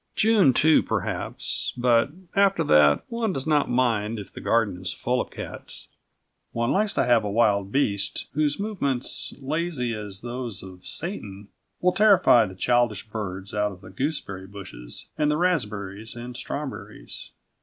June, too, perhaps; but, after that, one does not mind if the garden is full of cats. One likes to have a wild beast whose movements, lazy as those of Satan, will terrify the childish birds out of the gooseberry bushes and the raspberries and strawberries.